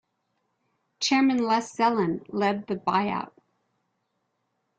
Chairman Les Zellan led the buy-out.